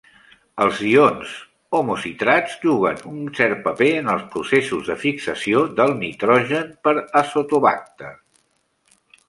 Els ions homocitrats juguen un cert paper en els processos de fixació del nitrogen per azotobàcter.